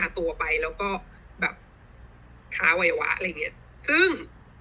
ตัวไปแล้วก็แบบค้าวัยวะอะไรอย่างเงี้ยซึ่ง